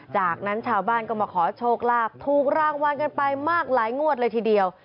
จากนั้นชาวบ้านก็มาขอโชคลาภถูกรางวัลกันไปมากหลายงวดเลยทีเดียว